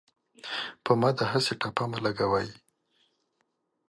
په ما داهسې ټاپه مه لګوۍ